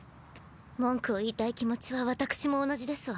文句を言いたい気持ちは私も同じですわ。